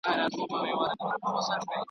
له پاچا او له رعیته څخه ورک سو.